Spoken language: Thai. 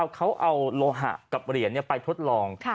เขาเอาโลหะกับเหรียญไปทดลอง